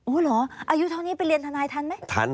เหรออายุเท่านี้ไปเรียนทนายทันไหม